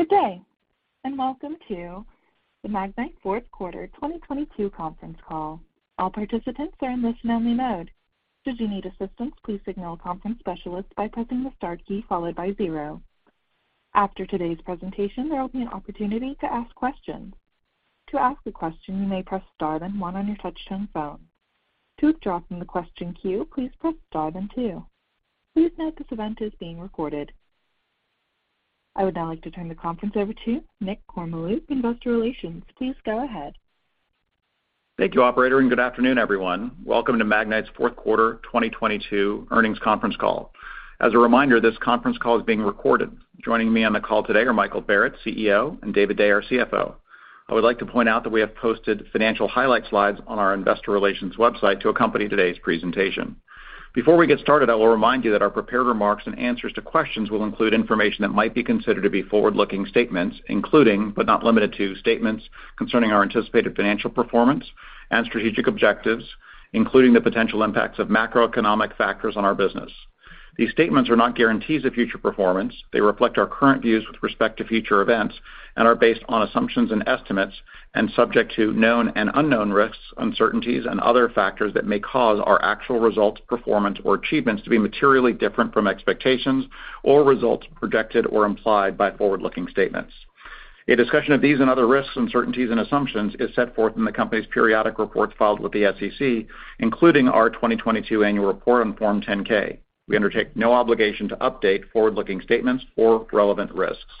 Good day. Welcome to the Magnite Q4 2022 Conference Call. All participants are in listen-only mode. Should you need assistance, please signal a conference specialist by pressing the star key followed by zero. After today's presentation, there will be an opportunity to ask questions. To ask a question, you may press star then one on your touch-tone phone. To withdraw from the question queue, please press star then two. Please note this event is being recorded. I would now like to turn the conference over to Nick Kormeluk, Investor Relations. Please go ahead. Thank you, operator, and good afternoon, everyone. Welcome to Magnite's Q4 2022 Earnings Conference Call. As a reminder, this conference call is being recorded. Joining me on the call today are Michael Barrett, CEO, and David Day, our CFO. I would like to point out that we have posted financial highlight slides on our investor relations website to accompany today's presentation. Before we get started, I will remind you that our prepared remarks and answers to questions will include information that might be considered to be forward-looking statements, including, but not limited to, statements concerning our anticipated financial performance and strategic objectives, including the potential impacts of macroeconomic factors on our business. These statements are not guarantees of future performance. They reflect our current views with respect to future events and are based on assumptions and estimates and subject to known and unknown risks, uncertainties, and other factors that may cause our actual results, performance, or achievements to be materially different from expectations or results projected or implied by forward-looking statements. A discussion of these and other risks, uncertainties, and assumptions is set forth in the company's periodic reports filed with the SEC, including our 2022 annual report on Form 10-K. We undertake no obligation to update forward-looking statements or relevant risks.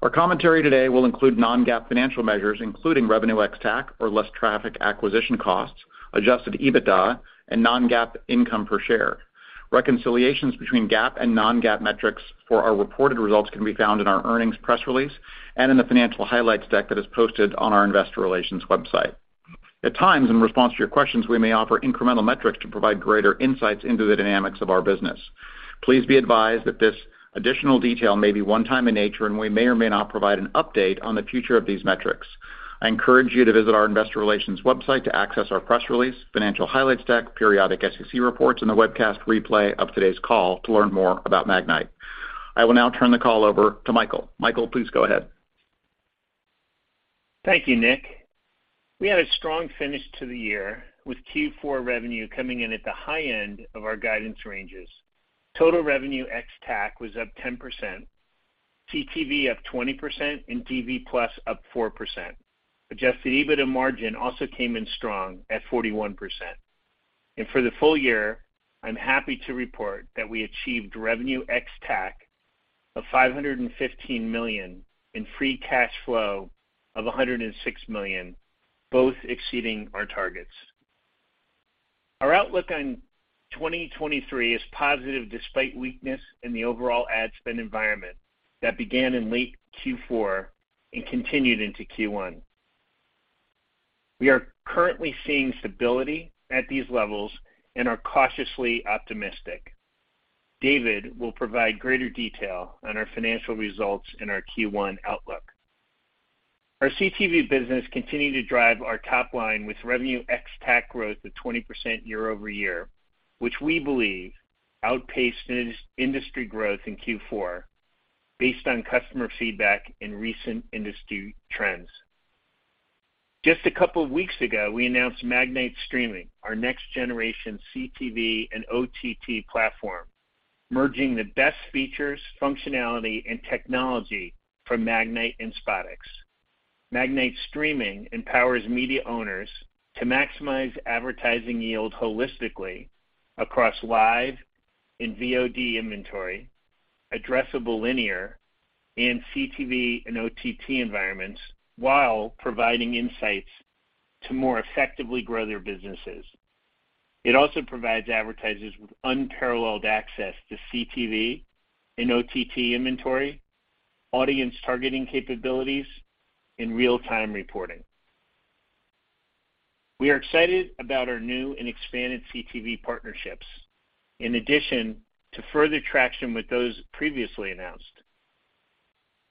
Our commentary today will include non-GAAP financial measures, including revenue ex-TAC or less Traffic Acquisition Costs, Adjusted EBITDA, and non-GAAP income per share. Reconciliations between GAAP and non-GAAP metrics for our reported results can be found in our earnings press release and in the financial highlights deck that is posted on our investor relations website. At times, in response to your questions, we may offer incremental metrics to provide greater insights into the dynamics of our business. Please be advised that this additional detail may be one time in nature, and we may or may not provide an update on the future of these metrics. I encourage you to visit our investor relations website to access our press release, financial highlights deck, periodic SEC reports, and the webcast replay of today's call to learn more about Magnite. I will now turn the call over to Michael. Michael, please go ahead. Thank you, Nick. We had a strong finish to the year, with Q4 revenue coming in at the high end of our guidance ranges. Total revenue ex-TAC was up 10%, CTV up 20%, and DV+ up 4%. Adjusted EBITDA margin also came in strong at 41%. For the full year, I'm happy to report that we achieved revenue ex-TAC of $515 million and free cash flow of $106 million, both exceeding our targets. Our outlook on 2023 is positive despite weakness in the overall ad spend environment that began in late Q4 and continued into Q1. We are currently seeing stability at these levels and are cautiously optimistic. David will provide greater detail on our financial results in our Q1 outlook. Our CTV business continued to drive our top line with revenue ex-TAC growth of 20% year-over-year, which we believe outpaced industry growth in Q4 based on customer feedback and recent industry trends. Just a couple of weeks ago, we announced Magnite Streaming, our next-generation CTV and OTT platform, merging the best features, functionality, and technology from Magnite and SpotX. Magnite Streaming empowers media owners to maximize advertising yield holistically across live and VOD inventory, addressable linear, and CTV and OTT environments while providing insights to more effectively grow their businesses. It also provides advertisers with unparalleled access to CTV and OTT inventory, audience targeting capabilities, and real-time reporting. We are excited about our new and expanded CTV partnerships. In addition to further traction with those previously announced,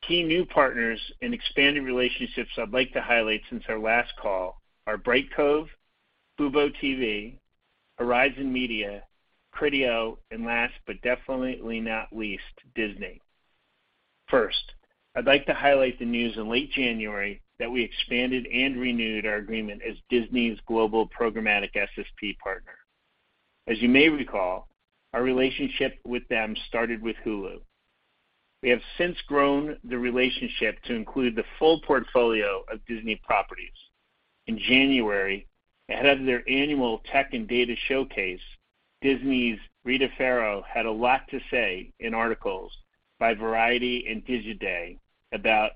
key new partners and expanded relationships I'd like to highlight since our last call are Brightcove, FuboTV, Verizon Media, Criteo, and last but definitely not least, Disney. First, I'd like to highlight the news in late January that we expanded and renewed our agreement as Disney's global programmatic SSP partner. As you may recall, our relationship with them started with Hulu. We have since grown the relationship to include the full portfolio of Disney properties. In January, ahead of their annual tech and data showcase, Disney's Rita Ferro had a lot to say in articles by Variety and Digiday about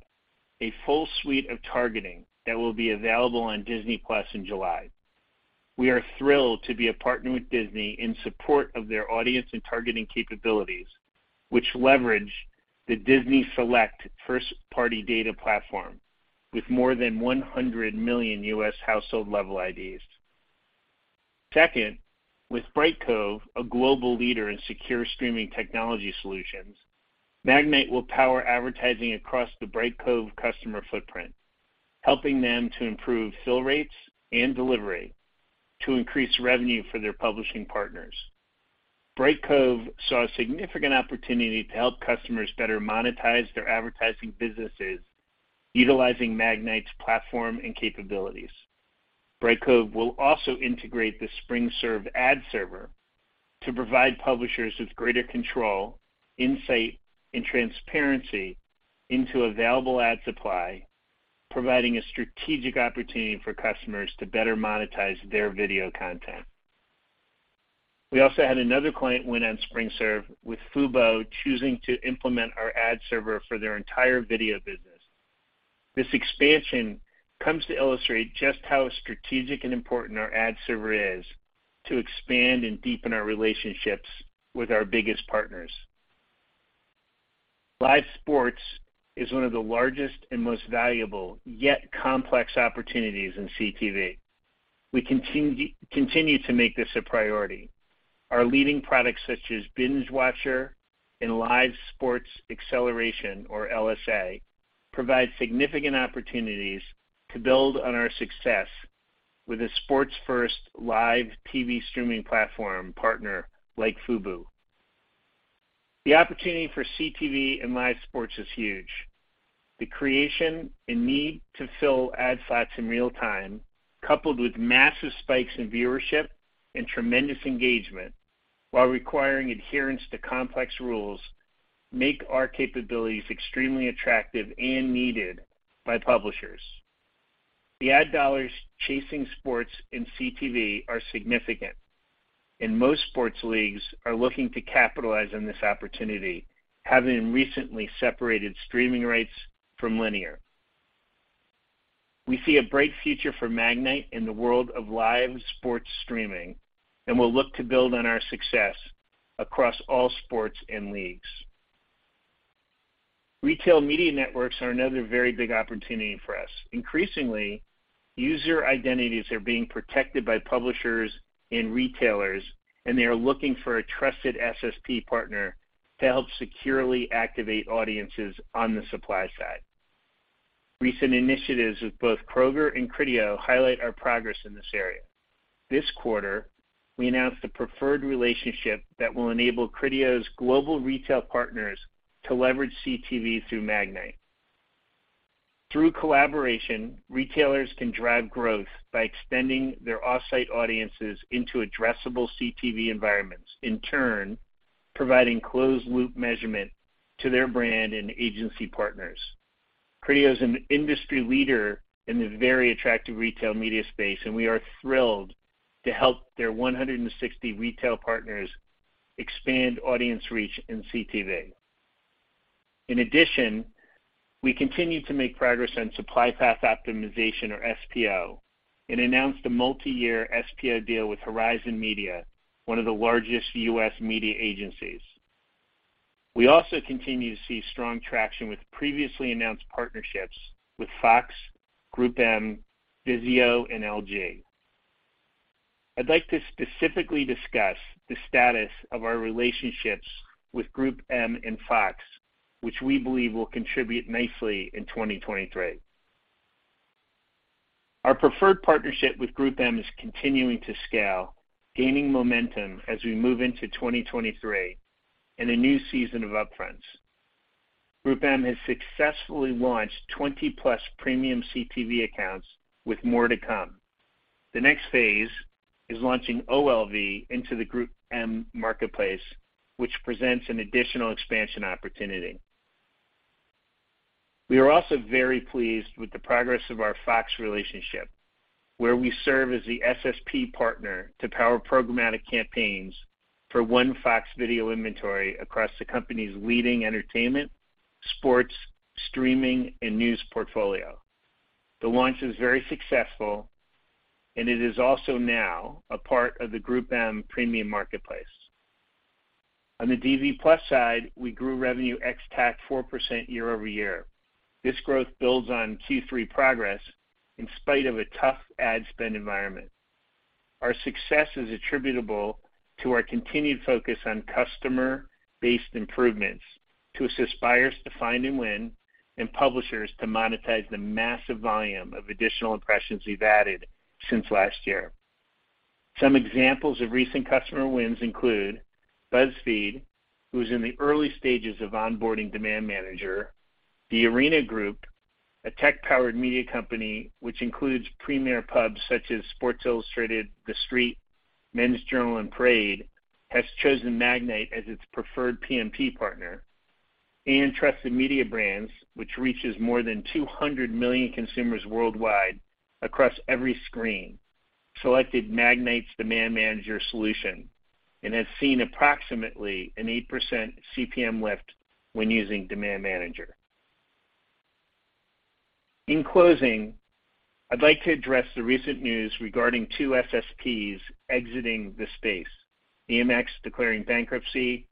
a full suite of targeting that will be available on Disney+ in July. We are thrilled to be a partner with Disney in support of their audience and targeting capabilities, which leverage the Disney Select first-party data platform with more than 100 million US household level IDs. Second, with Brightcove, a global leader in secure streaming technology solutions, Magnite will power advertising across the Brightcove customer footprint, helping them to improve fill rates and delivery to increase revenue for their publishing partners. Brightcove saw a significant opportunity to help customers better monetize their advertising businesses utilizing Magnite's platform and capabilities. Brightcove will also integrate the SpringServe ad server to provide publishers with greater control, insight, and transparency into available ad supply, providing a strategic opportunity for customers to better monetize their video content. We also had another client win on SpringServe with Fubo choosing to implement our ad server for their entire video business. This expansion comes to illustrate just how strategic and important our ad server is to expand and deepen our relationships with our biggest partners. Live sports is one of the largest and most valuable, yet complex opportunities in CTV. We continue to make this a priority. Our leading products such as BingeWatcher and Live Sports Acceleration, or LSA, provide significant opportunities to build on our success with a sports-first live TV streaming platform partner like Fubo. The opportunity for CTV and live sports is huge. The creation and need to fill ad slots in real time, coupled with massive spikes in viewership and tremendous engagement while requiring adherence to complex rules, make our capabilities extremely attractive and needed by publishers. The ad dollars chasing sports in CTV are significant, and most sports leagues are looking to capitalize on this opportunity, having recently separated streaming rates from linear. We see a bright future for Magnite in the world of live sports streaming, and we'll look to build on our success across all sports and leagues. Retail media networks are another very big opportunity for us. Increasingly, user identities are being protected by publishers and retailers, and they are looking for a trusted SSP partner to help securely activate audiences on the supply side. Recent initiatives with both Kroger and Criteo highlight our progress in this area. This quarter, we announced a preferred relationship that will enable Criteo's global retail partners to leverage CTV through Magnite. Through collaboration, retailers can drive growth by extending their off-site audiences into addressable CTV environments, in turn providing closed-loop measurement to their brand and agency partners. Criteo is an industry leader in the very attractive retail media space. We are thrilled to help their 160 retail partners expand audience reach in CTV. We continue to make progress on supply path optimization, or SPO, and announced a multi-year SPO deal with Horizon Media, one of the largest U.S. media agencies. We also continue to see strong traction with previously announced partnerships with Fox, GroupM, VIZIO and LG. I'd like to specifically discuss the status of our relationships with GroupM and Fox, which we believe will contribute nicely in 2023. Our preferred partnership with GroupM is continuing to scale, gaining momentum as we move into 2023 and a new season of upfronts. GroupM has successfully launched 20-plus premium CTV accounts with more to come. The next phase is launching OLV into the GroupM marketplace, which presents an additional expansion opportunity. We are also very pleased with the progress of our Fox relationship, where we serve as the SSP partner to power programmatic campaigns for OneFOX video inventory across the company's leading entertainment, sports, streaming and news portfolio. The launch is very successful and it is also now a part of the GroupM premium marketplace. On the DV+ side, we grew revenue ex-TAC 4% year-over-year. This growth builds on Q3 progress in spite of a tough ad spend environment. Our success is attributable to our continued focus on customer-based improvements to assist buyers to find and win, and publishers to monetize the massive volume of additional impressions we've added since last year. Some examples of recent customer wins include BuzzFeed, who is in the early stages of onboarding Demand Manager. The Arena Group, a tech-powered media company which includes premier pubs such as Sports Illustrated, TheStreet, Men's Journal and Parade, has chosen Magnite as its preferred PMP partner. Trusted Media Brands, which reaches more than 200 million consumers worldwide across every screen, selected Magnite's Demand Manager solution and has seen approximately an 8% CPM lift when using Demand Manager. In closing, I'd like to address the recent news regarding 2 SSPs exiting the space, EMX declaring bankruptcy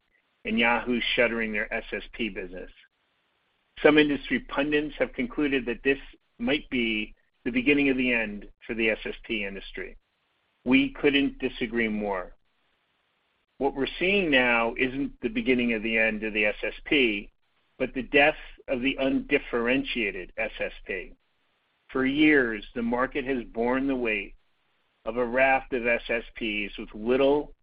and Yahoo's shuttering their SSP business. Some industry pundits have concluded that this might be the beginning of the end for the SSP industry. We couldn't disagree more. What we're seeing now isn't the beginning of the end of the SSP, but the death of the undifferentiated SSP. For years, the market has borne the weight of a raft of SSPs with little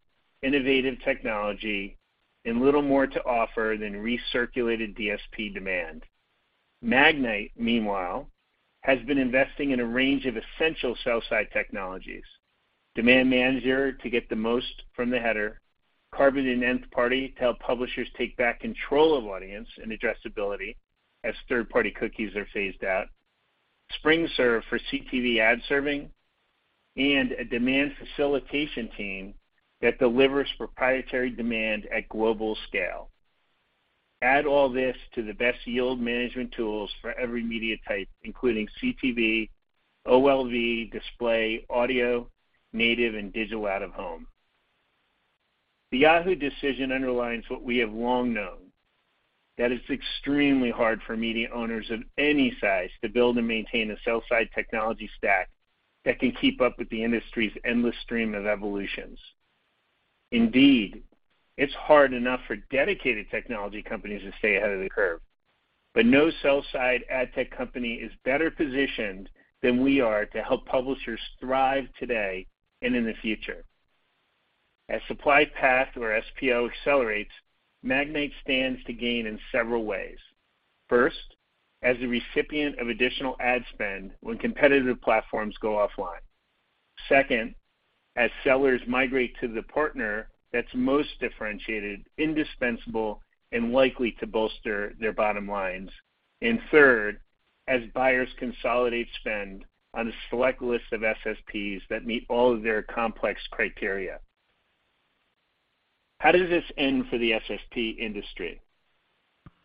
innovative technology and little more to offer than recirculated DSP demand. Magnite, meanwhile, has been investing in a range of essential sell-side technologies. Demand Manager to get the most from the header, Carbon and Nth Party to help publishers take back control of audience and addressability as third-party cookies are phased out. SpringServe for CTV ad serving and a demand facilitation team that delivers proprietary demand at global scale. Add all this to the best yield management tools for every media type, including CTV, OLV, display, audio, native, and digital out-of-home. The Yahoo decision underlines what we have long known, that it's extremely hard for media owners of any size to build and maintain a sell-side technology stack that can keep up with the industry's endless stream of evolutions. Indeed, it's hard enough for dedicated technology companies to stay ahead of the curve. No sell-side ad tech company is better positioned than we are to help publishers thrive today and in the future. As supply path or SPO accelerates, Magnite stands to gain in several ways. First, as a recipient of additional ad spend when competitive platforms go offline. Second, as sellers migrate to the partner that's most differentiated, indispensable, and likely to bolster their bottom lines. Third, as buyers consolidate spend on a select list of SSPs that meet all of their complex criteria. How does this end for the SSP industry?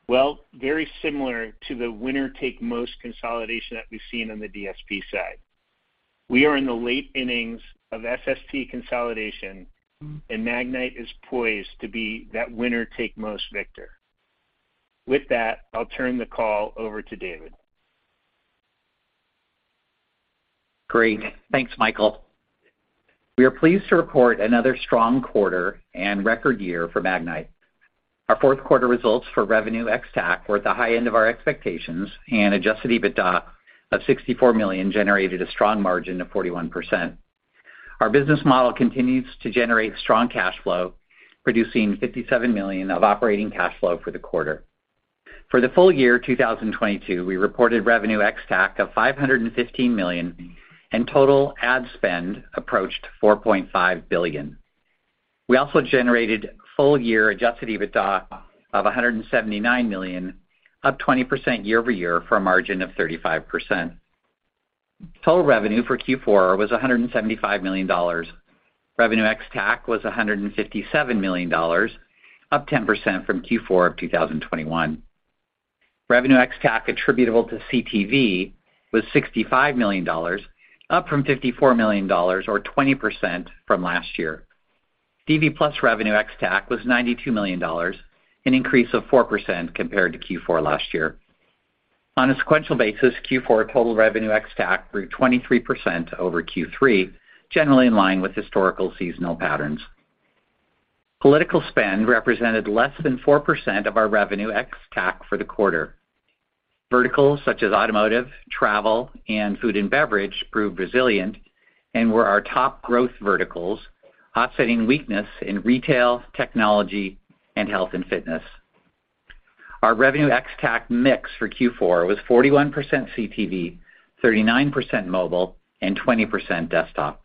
Well, very similar to the winner-take-most consolidation that we've seen on the DSP side. We are in the late innings of SSP consolidation. Magnite is poised to be that winner-take-most victor. With that, I'll turn the call over to David. Great. Thanks, Michael. We are pleased to report another strong quarter and record year for Magnite. Our Q4 results for revenue ex-TAC were at the high end of our expectations. Adjusted EBITDA of $64 million generated a strong margin of 41%. Our business model continues to generate strong cash flow, producing $57 million of operating cash flow for the quarter. For the full year 2022, we reported revenue ex-TAC of $515 million. Total ad spend approached $4.5 billion. We also generated full year adjusted EBITDA of $179 million, up 20% year-over-year for a margin of 35%. Total revenue for Q4 was $175 million. Revenue ex-TAC was $157 million, up 10% from Q4 of 2021. Revenue ex-TAC attributable to CTV was $65 million, up from $54 million or 20% from last year. DV+ revenue ex-TAC was $92 million, an increase of 4% compared to Q4 last year. On a sequential basis, Q4 total revenue ex-TAC grew 23% over Q3, generally in line with historical seasonal patterns. Political spend represented less than 4% of our revenue ex-TAC for the quarter. Verticals such as automotive, travel, and food and beverage proved resilient and were our top growth verticals, offsetting weakness in retail, technology, and health and fitness. Our revenue ex-TAC mix for Q4 was 41% CTV, 39% mobile, and 20% desktop.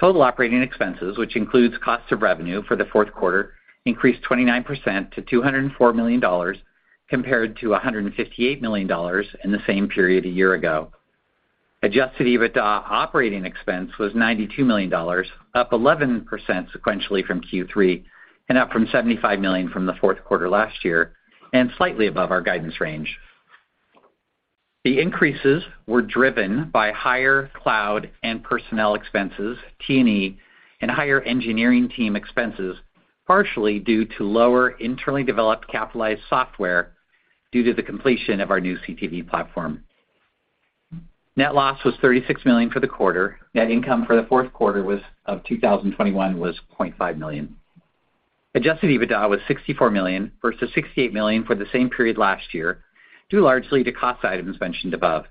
Total operating expenses, which includes cost of revenue for the Q4, increased 29% to $204 million compared to $158 million in the same period a year ago. Adjusted EBITDA operating expense was $92 million, up 11% sequentially from Q3 and up from $75 million from the Q4 last year and slightly above our guidance range. The increases were driven by higher cloud and personnel expenses, T&E, and higher engineering team expenses, partially due to lower internally developed capitalized software due to the completion of our new CTV platform. Net loss was $36 million for the quarter. Net income for the Q4 of 2021 was $0.5 million. Adjusted EBITDA was $64 million versus $68 million for the same period last year, due largely to cost items mentioned above.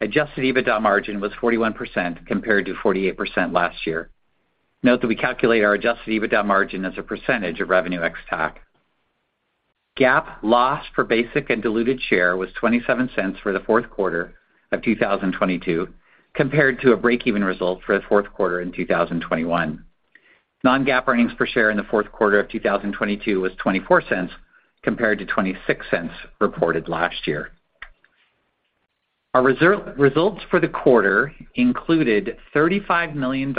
Adjusted EBITDA margin was 41% compared to 48% last year. Note that we calculate our Adjusted EBITDA margin as a percentage of revenue ex-TAC. GAAP loss per basic and diluted share was $0.27 for the Q4 of 2022, compared to a break-even result for the Q4 in 2021. Non-GAAP earnings per share in the Q4 of 2022 was $0.24 compared to $0.26 reported last year. Our results for the quarter included $35 million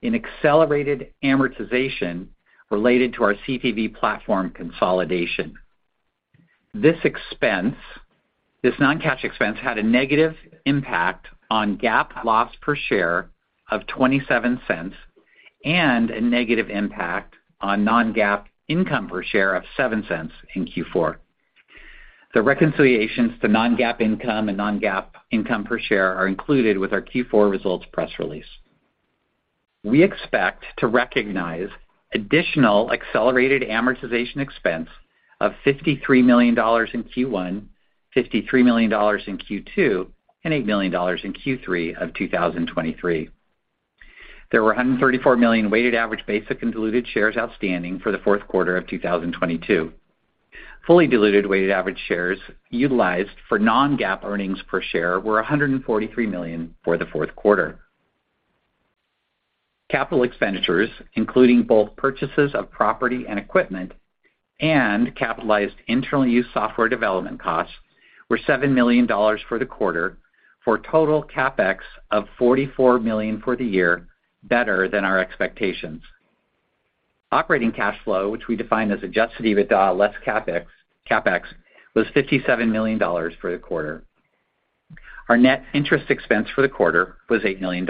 in accelerated amortization related to our CTV platform consolidation. This non-cash expense had a negative impact on GAAP loss per share of $0.27 and a negative impact on non-GAAP income per share of $0.07 in Q4. The reconciliations to non-GAAP income and non-GAAP income per share are included with our Q4 results press release. We expect to recognize additional accelerated amortization expense of $53 million in Q1, $53 million in Q2, and $8 million in Q3 of 2023. There were 134 million weighted average basic and diluted shares outstanding for the Q4 of 2022. Fully diluted weighted average shares utilized for non-GAAP earnings per share were 143 million for the Q4. Capital expenditures, including both purchases of property and equipment and capitalized internal use software development costs, were $7 million for the quarter for a total CapEx of $44 million for the year, better than our expectations. Operating cash flow, which we define as Adjusted EBITDA less CapEx, was $57 million for the quarter. Our net interest expense for the quarter was $8 million.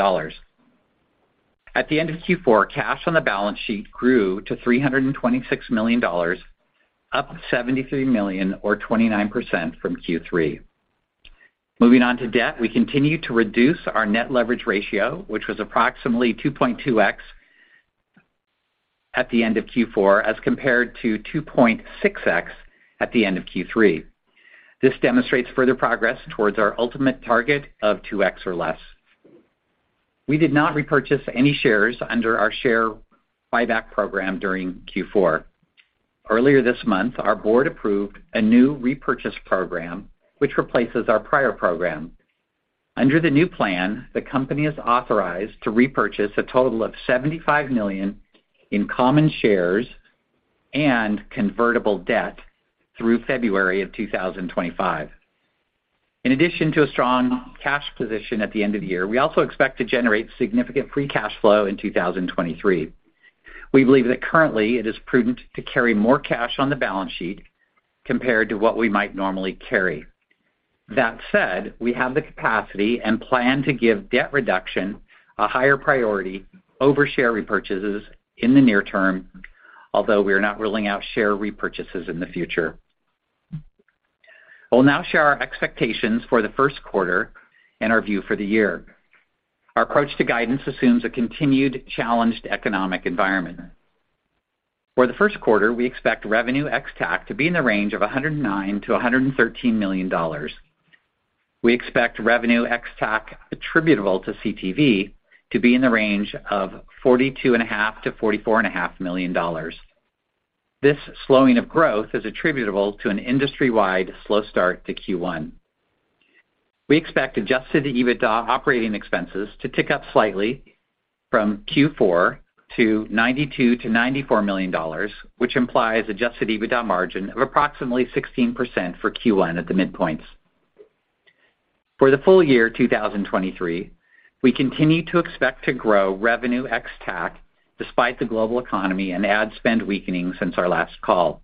At the end of Q4, cash on the balance sheet grew to $326 million, up $73 million or 29% from Q3. Moving on to debt, we continue to reduce our net leverage ratio, which was approximately 2.2x at the end of Q4 as compared to 2.6x at the end of Q3. This demonstrates further progress towards our ultimate target of 2x or less. We did not repurchase any shares under our share buyback program during Q4. Earlier this month, our board approved a new repurchase program, which replaces our prior program. Under the new plan, the company is authorized to repurchase a total of $75 million in common shares and convertible debt through February of 2025. In addition to a strong cash position at the end of the year, we also expect to generate significant free cash flow in 2023. We believe that currently it is prudent to carry more cash on the balance sheet compared to what we might normally carry. That said, we have the capacity and plan to give debt reduction a higher priority over share repurchases in the near term, although we are not ruling out share repurchases in the future. I will now share our expectations for the Q1 and our view for the year. Our approach to guidance assumes a continued challenged economic environment. For the Q1, we expect revenue ex-TAC to be in the range of $109-$113 million. We expect revenue ex-TAC attributable to CTV to be in the range of forty-two and a half to forty-four and a half million dollars. This slowing of growth is attributable to an industry-wide slow start to Q1. We expect Adjusted EBITDA operating expenses to tick up slightly from Q4 to $92-$94 million, which implies Adjusted EBITDA margin of approximately 16% for Q1 at the midpoints. For the full year 2023, we continue to expect to grow revenue ex-TAC despite the global economy and ad spend weakening since our last call.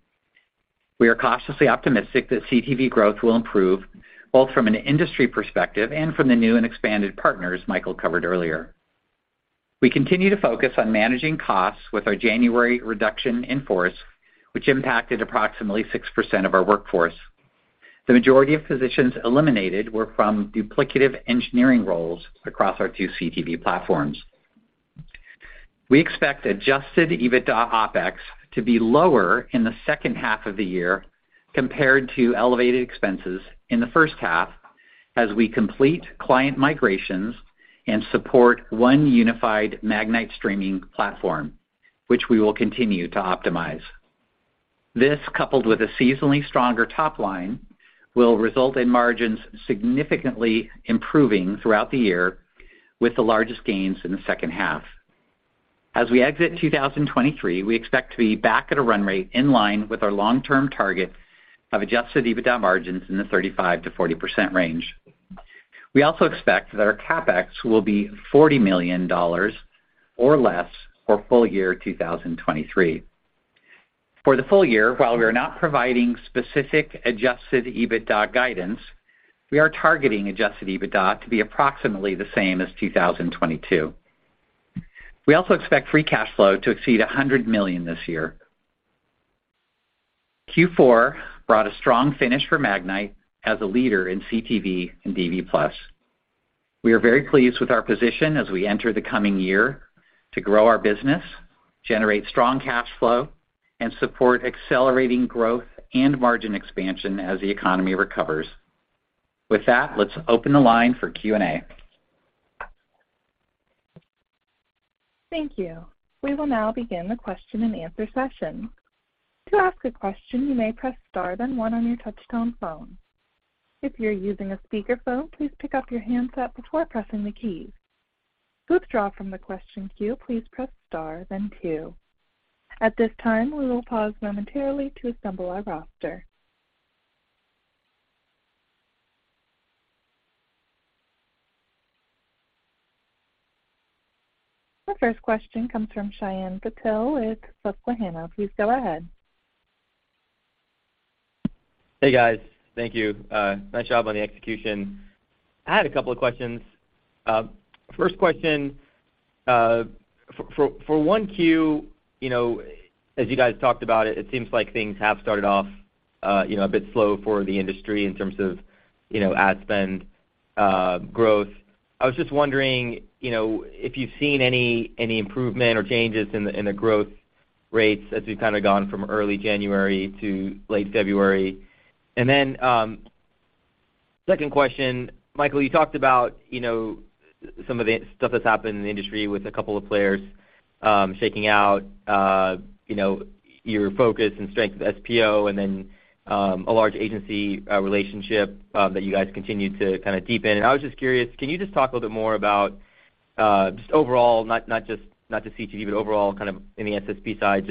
We are cautiously optimistic that CTV growth will improve both from an industry perspective and from the new and expanded partners Michael covered earlier. We continue to focus on managing costs with our January reduction in force, which impacted approximately 6% of our workforce. The majority of positions eliminated were from duplicative engineering roles across our two CTV platforms. We expect Adjusted EBITDA OpEx to be lower in the second half of the year compared to elevated expenses in the first half as we complete client migrations and support one unified Magnite Streaming platform, which we will continue to optimize. This, coupled with a seasonally stronger top line, will result in margins significantly improving throughout the year with the largest gains in the second half. As we exit 2023, we expect to be back at a run rate in line with our long-term target of Adjusted EBITDA margins in the 35%-40% range. We also expect that our CapEx will be $40 million or less for full year 2023. For the full year, while we are not providing specific Adjusted EBITDA guidance, we are targeting Adjusted EBITDA to be approximately the same as 2022. We also expect free cash flow to exceed $100 million this year. Q4 brought a strong finish for Magnite as a leader in CTV and DV+. We are very pleased with our position as we enter the coming year to grow our business, generate strong cash flow, and support accelerating growth and margin expansion as the economy recovers. Let's open the line for Q&A. Thank you. We will now begin the question and answer session. To ask a question, you may press star then one on your touchtone phone. If you're using a speakerphone, please pick up your handset before pressing the keys. To withdraw from the question queue, please press star then two. At this time, we will pause momentarily to assemble our roster. The first question comes from Shyam Patil with Susquehanna. Please go ahead. Hey, guys. Thank you. Nice job on the execution. I had a couple of questions. First question, for 1Q, you know, as you guys talked about it seems like things have started off, you know, a bit slow for the industry in terms of You know, ad spend growth. I was just wondering, you know, if you've seen any improvement or changes in the growth rates as we've kind of gone from early January to late February. Second question, Michael, you talked about, you know, some of the stuff that's happened in the industry with a couple of players shaking out, you know, your focus and strength of SPO and then a large agency relationship that you guys continue to kind of deepen. I was just curious, can you just talk a little bit more about just overall, not just CTV, but overall kind of in the SSP side,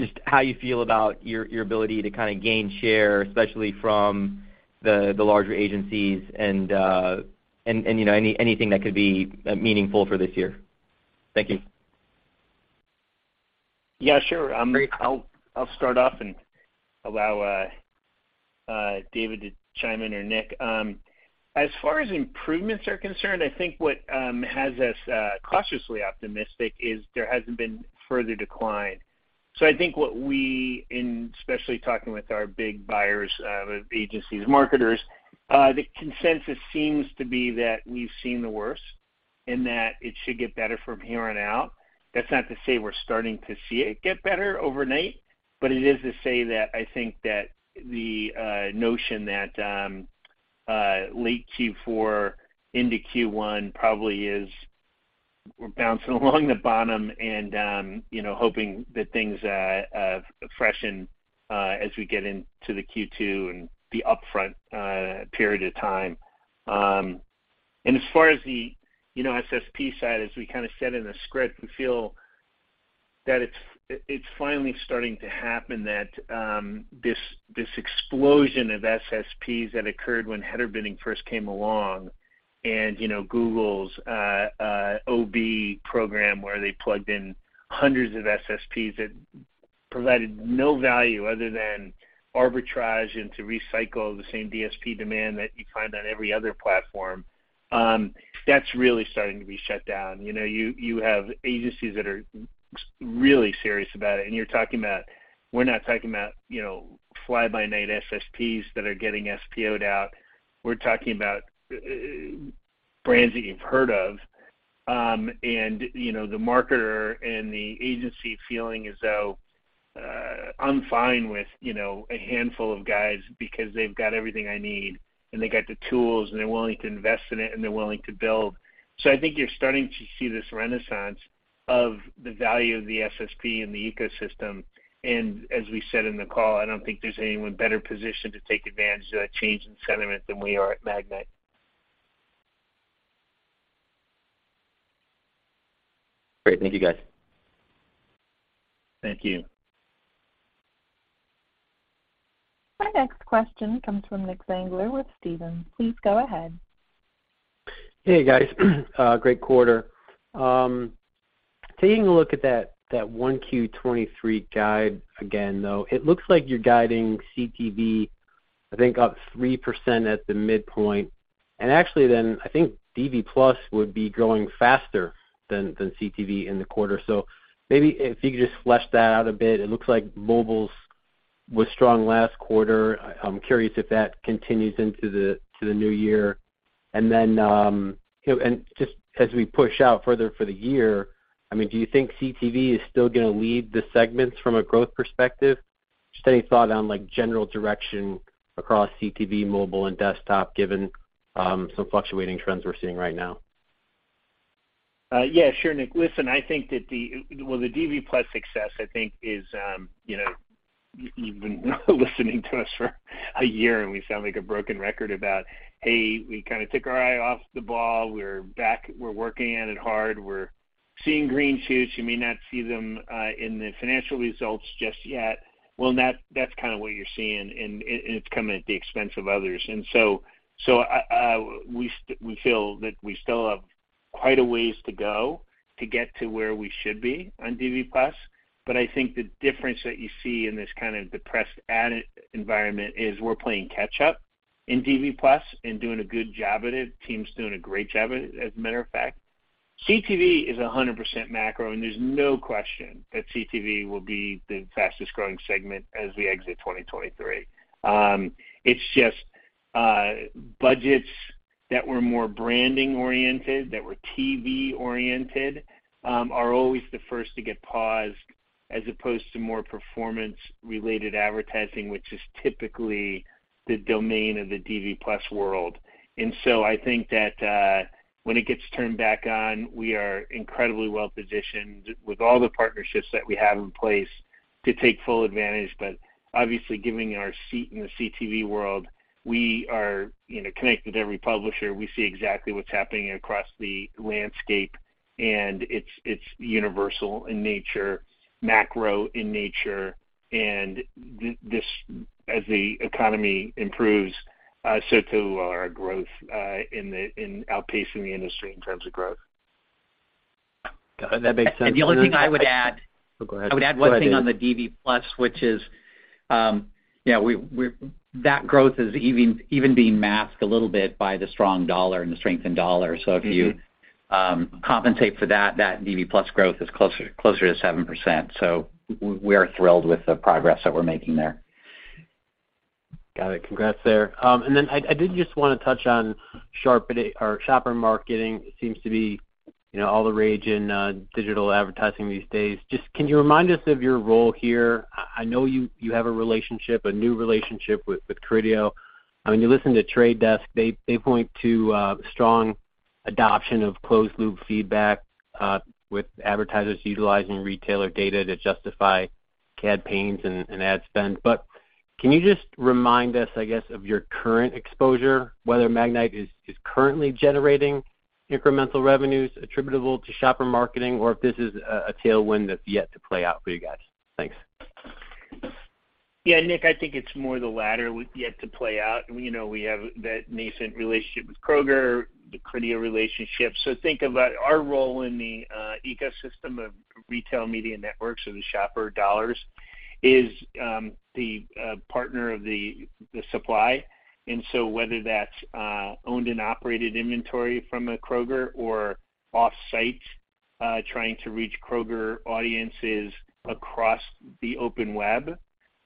just how you feel about your ability to kind of gain share, especially from the larger agencies and you know, anything that could be meaningful for this year. Thank you. Yeah, sure. I'll start off and allow David to chime in or Nick. As far as improvements are concerned, I think what has us cautiously optimistic is there hasn't been further decline. I think what we, and especially talking with our big buyers, agencies, marketers, the consensus seems to be that we've seen the worst and that it should get better from here on out. That's not to say we're starting to see it get better overnight, but it is to say that I think that the notion that late Q4 into Q1 probably is we're bouncing along the bottom and, you know, hoping that things freshen as we get into the Q2 and the upfront period of time. As far as the, you know, SSP side, as we kind of said in the script, we feel that it's finally starting to happen that this explosion of SSPs that occurred when header bidding first came along and, you know, Google's Open Bidding where they plugged in hundreds of SSPs that provided no value other than arbitrage and to recycle the same DSP demand that you find on every other platform, that's really starting to be shut down. You know, you have agencies that are really serious about it, and we're not talking about, you know, fly by night SSPs that are getting SPOed out. We're talking about brands that you've heard of. You know, the marketer and the agency feeling as though, I'm fine with, you know, a handful of guys because they've got everything I need, and they got the tools, and they're willing to invest in it, and they're willing to build. I think you're starting to see this renaissance of the value of the SSP and the ecosystem. As we said in the call, I don't think there's anyone better positioned to take advantage of that change in sentiment than we are at Magnite. Great. Thank you, guys. Thank you. Our next question comes from Nicholas Zangler with Stephens. Please go ahead. Hey, guys. Great quarter. Taking a look at that Q1 2023 guide again, though, it looks like you're guiding CTV, I think, up 3% at the midpoint. Actually then I think DV+ would be growing faster than CTV in the quarter. Maybe if you could just flesh that out a bit. It looks like mobile was strong last quarter. I'm curious if that continues into the, to the new year. Just as we push out further for the year, I mean, do you think CTV is still gonna lead the segments from a growth perspective? Just any thought on, like, general direction across CTV, mobile and desktop, given, some fluctuating trends we're seeing right now? Yeah, sure, Nick. Listen, I think that the Well, the DV+ success, I think is, you know, you've been listening to us for a year, and we sound like a broken record about, hey, we kind of took our eye off the ball. We're back. We're working at it hard. We're seeing green shoots. You may not see them in the financial results just yet. Well, that's kind of what you're seeing, and it's coming at the expense of others. we feel that we still have quite a ways to go to get to where we should be on DV+. I think the difference that you see in this kind of depressed ad environment is we're playing catch up in DV+ and doing a good job at it. Team's doing a great job at it as a matter of fact. CTV is 100% macro, there's no question that CTV will be the fastest growing segment as we exit 2023. It's just, budgets that were more branding-oriented, that were TV-oriented, are always the first to get paused as opposed to more performance-related advertising, which is typically the domain of the DV+ world. I think that, when it gets turned back on, we are incredibly well-positioned with all the partnerships that we have in place to take full advantage. Obviously, given our seat in the CTV world, we are, you know, connected with every publisher. We see exactly what's happening across the landscape, and it's universal in nature, macro in nature. This, as the economy improves, so too will our growth, in outpacing the industry in terms of growth. That makes sense. The only thing I would add- Go ahead. I would add one thing on the DV+, which is, you know, that growth is even being masked a little bit by the strong dollar and the strength in dollar. Compensate for that DV+ growth is closer to 7%. We are thrilled with the progress that we're making there. Got it. Congrats there. I did just wanna touch on sharpen it or shopper marketing seems to be, you know, all the rage in digital advertising these days. Just can you remind us of your role here? I know you have a relationship, a new relationship with Criteo. I mean, you listen to The Trade Desk, they point to strong adoption of closed loop feedback with advertisers utilizing retailer data to justify campaigns and ad spend. Can you just remind us, I guess, of your current exposure, whether Magnite is currently generating incremental revenues attributable to shopper marketing, or if this is a tailwind that's yet to play out for you guys? Thanks. Nick, I think it's more the latter with yet to play out. You know, we have that nascent relationship with Kroger, the Criteo relationship. Think about our role in the ecosystem of retail media networks or the shopper dollars is the partner of the supply. Whether that's owned and operated inventory from a Kroger or offsite, trying to reach Kroger audiences across the open web,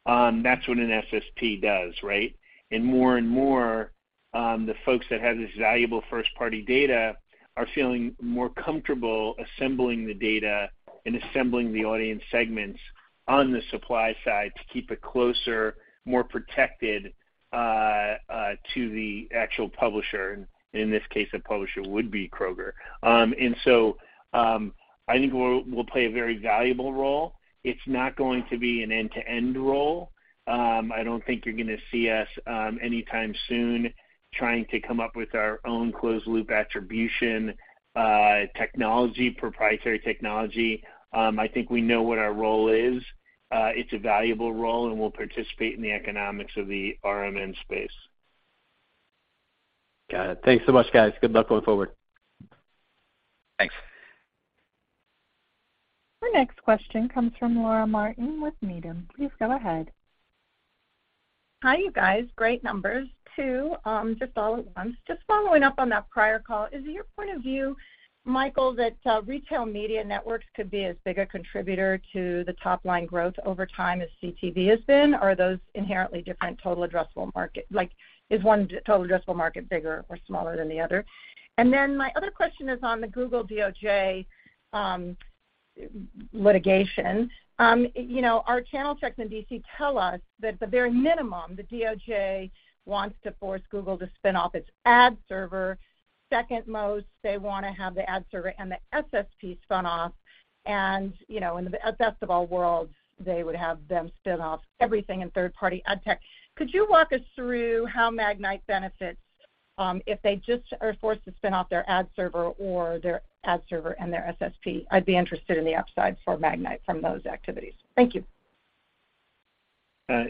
that's what an SSP does, right? More and more, the folks that have this valuable first-party data are feeling more comfortable assembling the data and assembling the audience segments on the supply side to keep it closer, more protected to the actual publisher. In this case, the publisher would be Kroger. I think we'll play a very valuable role. It's not going to be an end-to-end role. I don't think you're gonna see us anytime soon trying to come up with our own closed loop attribution technology, proprietary technology. I think we know what our role is. It's a valuable role, and we'll participate in the economics of the RMN space. Got it. Thanks so much, guys. Good luck going forward. Thanks. Our next question comes from Laura Martin with Needham. Please go ahead. Hi, you guys. Great numbers too, just all at once. Just following up on that prior call, is it your point of view, Michael, that retail media networks could be as big a contributor to the top-line growth over time as CTV has been? Are those inherently different total addressable market? Like, is one total addressable market bigger or smaller than the other? My other question is on the Google DOJ litigation. You know, our channel checks in D.C. tell us that the very minimum, the DOJ wants to force Google to spin off its ad server. Second most, they wanna have the ad server and the SSP spun off and, you know, at best of all worlds, they would have them spin off everything in third-party ad tech. Could you walk us through how Magnite benefits, if they just are forced to spin off their ad server or their ad server and their SSP? I'd be interested in the upside for Magnite from those activities. Thank you.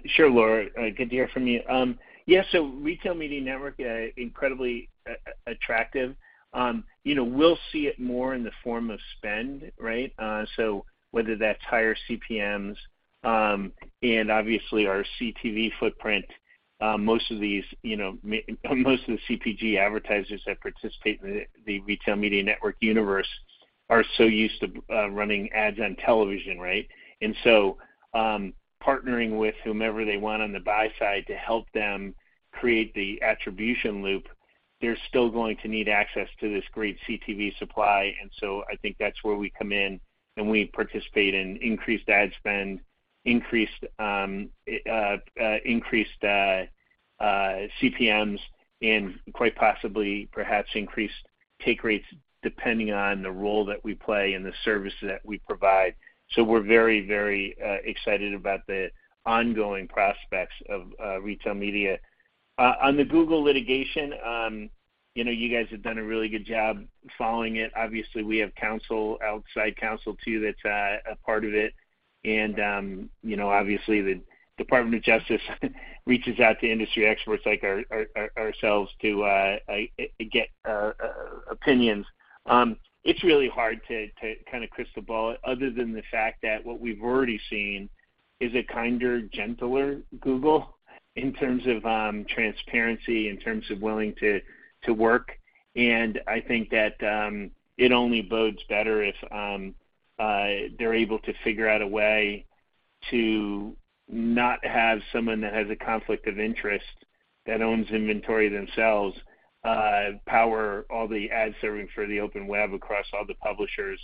Sure, Laura. Good to hear from you. Yeah, so retail media network, incredibly attractive. You know, we'll see it more in the form of spend, right? Whether that's higher CPMs. Obviously our CTV footprint, most of these, you know, most of the CPG advertisers that participate in the retail media network universe are so used to running ads on television, right? Partnering with whomever they want on the buy side to help them create the attribution loop, they're still going to need access to this great CTV supply. I think that's where we come in and we participate in increased ad spend, increased CPMs and quite possibly perhaps increased take rates depending on the role that we play and the service that we provide. We're very, very excited about the ongoing prospects of retail media. On the Google litigation, you know, you guys have done a really good job following it. Obviously, we have counsel, outside counsel too that's a part of it. You know, obviously, the Department of Justice reaches out to industry experts like ourselves to get opinions. It's really hard to kind of crystal ball it other than the fact that what we've already seen is a kinder, gentler Google in terms of transparency, in terms of willing to work. I think that it only bodes better if they're able to figure out a way to not have someone that has a conflict of interest that owns inventory themselves, power all the ad serving for the open web across all the publishers.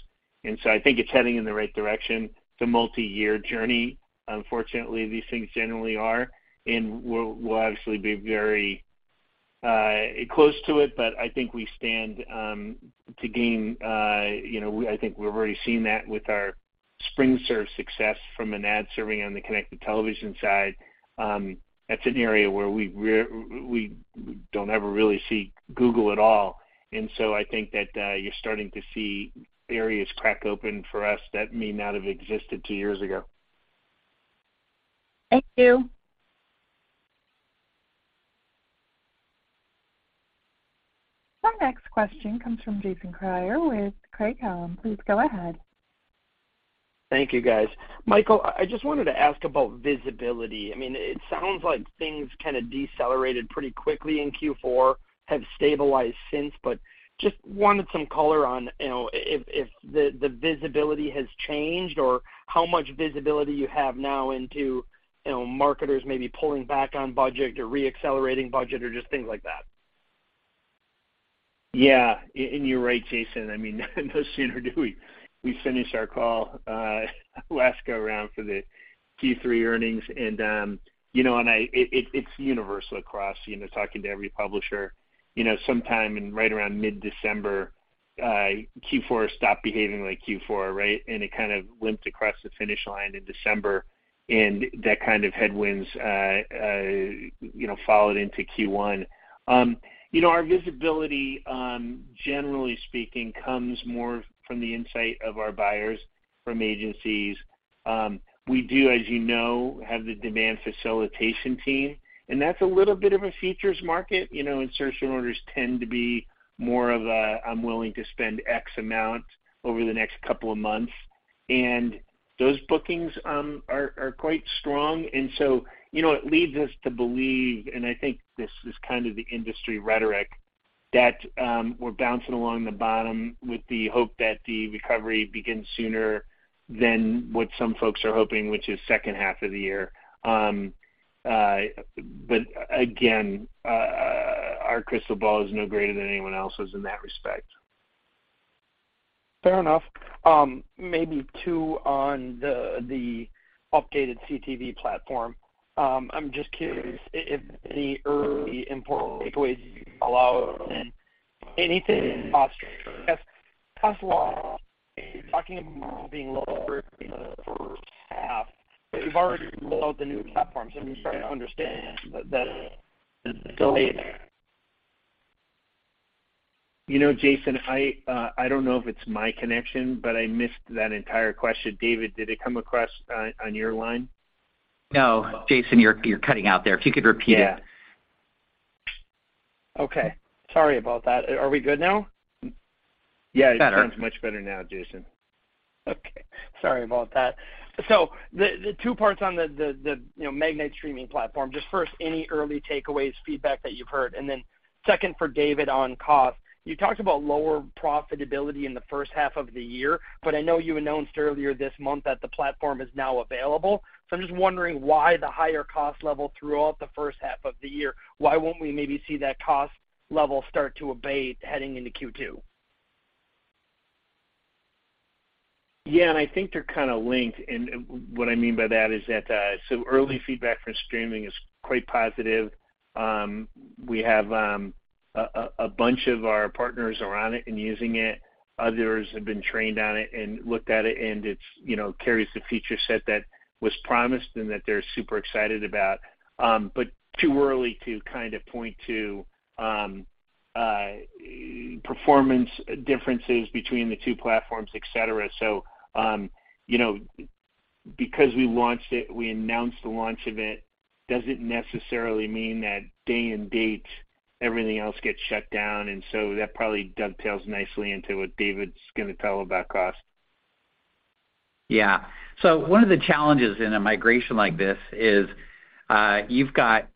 I think it's heading in the right direction. It's a multiyear journey. Unfortunately, these things generally are, we'll obviously be very close to it. I think we stand to gain, you know, I think we've already seen that with our SpringServe success from an ad serving on the connected television side. That's an area where we don't ever really see Google at all. I think that you're starting to see areas crack open for us that may not have existed two years ago. Thank you. Our next question comes from Jason Kreyer with Craig-Hallum. Please go ahead. Thank you guys. Michael, I just wanted to ask about visibility. I mean, it sounds like things kind of decelerated pretty quickly in Q4, have stabilized since, but just wanted some color on, you know, if the visibility has changed or how much visibility you have now into, you know, marketers maybe pulling back on budget or re-accelerating budget or just things like that. Yeah. You're right, Jason, I mean, no sooner do we finish our call last go around for the Q3 earnings and, you know, it's universal across, you know, talking to every publisher, you know, sometime in right around mid-December, Q4 stopped behaving like Q4, right? It kind of limped across the finish line in December, and that kind of headwinds, you know, followed into Q1. You know, our visibility, generally speaking, comes more from the insight of our buyers from agencies. We do, as you know, have the demand facilitation team, and that's a little bit of a features market. You know, insertion orders tend to be more of a, "I'm willing to spend X amount over the next couple of months." Those bookings are quite strong. You know, it leads us to believe, and I think this is kind of the industry rhetoric, that, we're bouncing along the bottom with the hope that the recovery begins sooner than what some folks are hoping, which is second half of the year. Again, our crystal ball is no greater than anyone else's in that respect. Fair enough. Maybe two on the updated CTV platform. I'm just curious if any early important takeaways you can call out and anything cost wise, you're talking about being lower in the first half, but you've already rolled out the new platforms, and you're starting to understand the? You know, Jason, I don't know if it's my connection, but I missed that entire question. David, did it come across on your line? No. Jason, you're cutting out there. If you could repeat it. Yeah. Okay, sorry about that. Are we good now? Better. Yeah, it sounds much better now, Jason. Okay, sorry about that. The two parts on the, you know, Magnite Streaming platform. Just first, any early takeaways, feedback that you've heard. Second for David on cost. You talked about lower profitability in the first half of the year, but I know you announced earlier this month that the platform is now available. I'm just wondering why the higher cost level throughout the first half of the year. Why won't we maybe see that cost level start to abate heading into Q2? Yeah, I think they're kind of linked. What I mean by that is that, so early feedback from streaming is quite positive. We have a bunch of our partners are on it and using it. Others have been trained on it and looked at it, and it's, you know, carries the feature set that was promised and that they're super excited about. Too early to kind of point to performance differences between the two platforms, et cetera. You know, because we launched it, we announced the launch of it doesn't necessarily mean that day and date everything else gets shut down. That probably dovetails nicely into what David's gonna tell about cost. Yeah. One of the challenges in a migration like this is, you've got,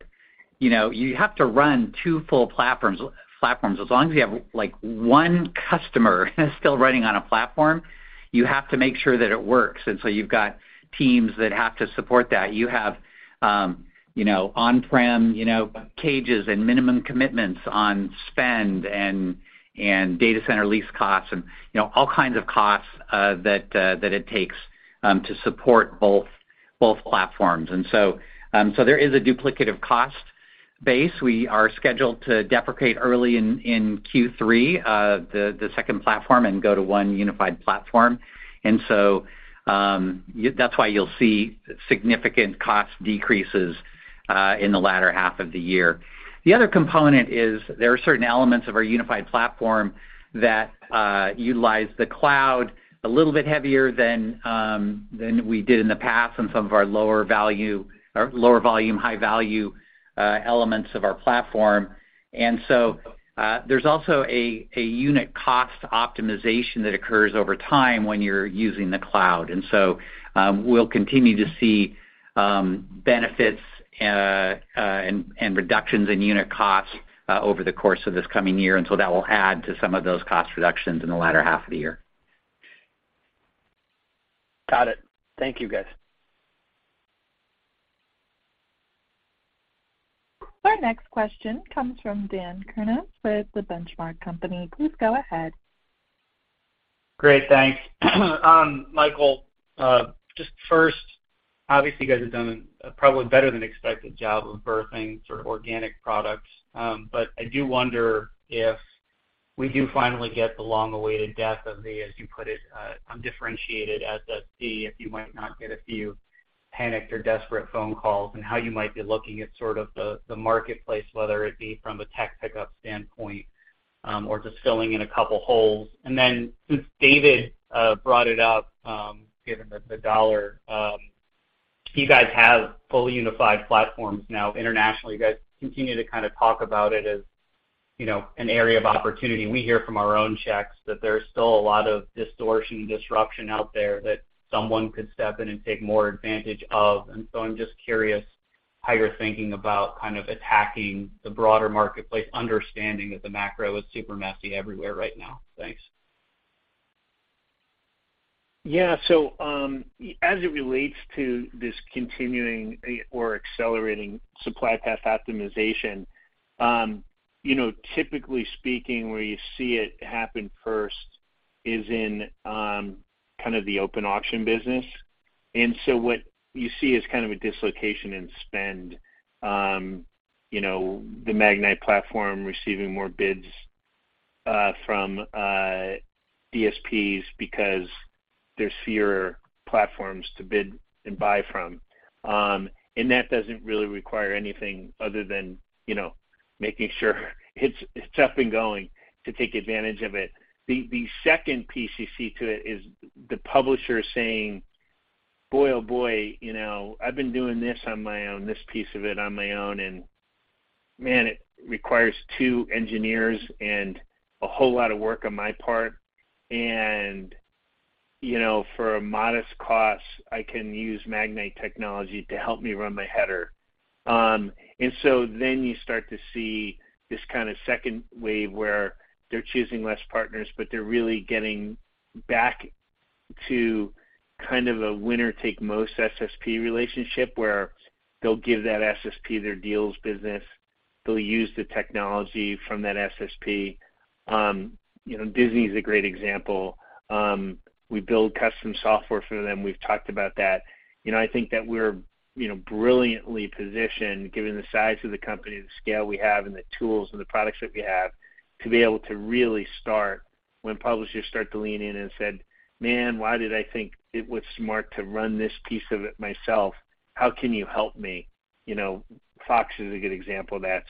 you know, you have to run two full platforms. As long as you have, like, one customer still running on a platform, you have to make sure that it works. You've got teams that have to support that. You have, you know, on-prem, you know, cages and minimum commitments on spend and data center lease costs and, you know, all kinds of costs that it takes to support both platforms. There is a duplicative cost base. We are scheduled to deprecate early in Q3 the second platform and go to one unified platform. That's why you'll see significant cost decreases in the latter half of the year. The other component is there are certain elements of our unified platform that utilize the cloud a little bit heavier than than we did in the past on some of our lower value or lower volume, high value, elements of our platform. There's also a unit cost optimization that occurs over time when you're using the cloud. We'll continue to see benefits and reductions in unit costs over the course of this coming year. That will add to some of those cost reductions in the latter half of the year. Got it. Thank you, guys. Our next question comes from Daniel Kurnos with The Benchmark Company. Please go ahead. Great, thanks. Michael, just first, obviously you guys have done a probably better than expected job of birthing sort of organic products. I do wonder if we do finally get the long-awaited death of the, as you put it, undifferentiated SSP, if you might not get a few panicked or desperate phone calls and how you might be looking at sort of the marketplace, whether it be from a tech pickup standpoint, or just filling in a couple holes. Since David brought it up, given the dollar, you guys have fully unified platforms now internationally. You guys continue to kind of talk about it as, you know, an area of opportunity. We hear from our own checks that there's still a lot of distortion and disruption out there that someone could step in and take more advantage of. I'm just curious how you're thinking about kind of attacking the broader marketplace, understanding that the macro is super messy everywhere right now. Thanks. Yeah. As it relates to this continuing or accelerating supply path optimization, you know, typically speaking, where you see it happen first is in kind of the open auction business. What you see is kind of a dislocation in spend, you know, the Magnite platform receiving more bids from DSPs because there's fewer platforms to bid and buy from. That doesn't really require anything other than, you know, making sure it's up and going to take advantage of it. The second piece you see to it is the publisher saying, "Boy, oh boy, you know, I've been doing this on my own, this piece of it on my own, and man, it requires 2 engineers and a whole lot of work on my part. You know, for a modest cost, I can use Magnite technology to help me run my header." You start to see this kind of second wave where they're choosing less partners, but they're really getting back to kind of a winner-take-most SSP relationship where they'll give that SSP their deals business. They'll use the technology from that SSP. You know, Disney is a great example. We build custom software for them. We've talked about that. You know, I think that we're, you know, brilliantly positioned given the size of the company, the scale we have, and the tools and the products that we have to be able to really start when publishers start to lean in and said, "Man, why did I think it was smart to run this piece of it myself? How can you help me?" You know, Fox is a good example of that.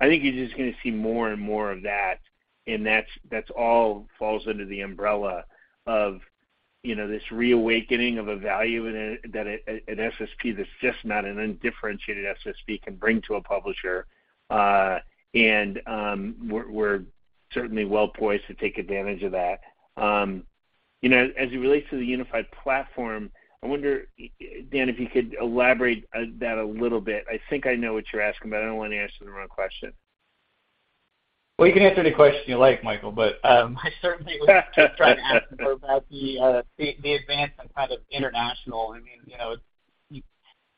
I think you're just gonna see more and more of that, and that's all falls under the umbrella of, you know, this reawakening of a value that an SSP that's just not an undifferentiated SSP can bring to a publisher. We're certainly well-poised to take advantage of that. You know, as it relates to the unified platform, I wonder, Dan, if you could elaborate that a little bit. I think I know what you're asking, but I don't wanna answer the wrong question. You can answer any question you like, Michael, I certainly just trying to ask about the advance on kind of international. I mean, you know,